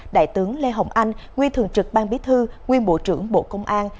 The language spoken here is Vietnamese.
đại tướng lê hồng anh nguyên thường trực ban bí thư nguyên bộ trưởng bộ công an